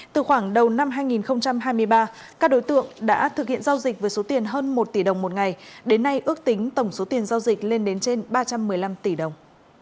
từ khoảng đầu năm hai nghìn hai mươi ba các đối tượng đã thực hiện giao dịch với số tiền hơn một tỷ đồng một ngày đến nay ước tính tổng số tiền giao dịch lên đến trên ba trăm một mươi năm tỷ đồng